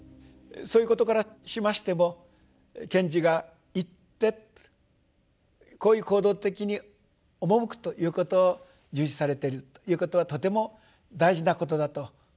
そういうことからしましても賢治が「行ッテ」とこういう行動的に赴くということを重視されているということはとても大事なことだと。